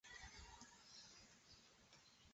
并且保证每一洲至少有一队伍都获得参加资格。